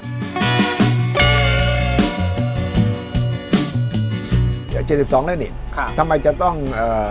จากเจ็ดสิบสองแล้วนี่ค่ะทำไมจะต้องเอ่อ